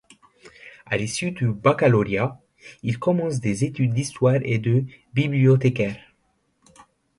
À l'issue du baccalauréat, il commence des études d'histoire et de bibliothécaire.